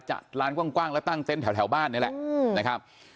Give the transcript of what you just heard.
ร้านกว้างแล้วตั้งเต้นแถวบ้านนี่แหละนะครับ